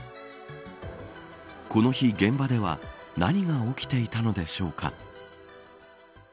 この日、現場では何が起きていたのでしょうか。